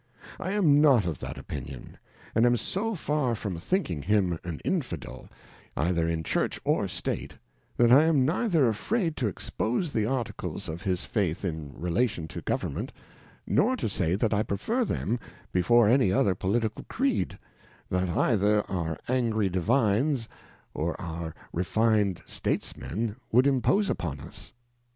I am not of that Opinion, and am so far from The Preface. 49 from thinking him an Infidel _either_inj^hurch or State, that I anfneither affmSTto expose the Articles of his Faith in Relatiork to GoWrnment, nor to say that I prefer them before any other Political Creed, that either our angry Divines, or our refined States men would impose upon us.